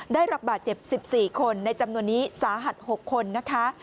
ได้รับบาดเจ็บ๑๔คนในจำนวนนี้สาหัส๖คนนะคะ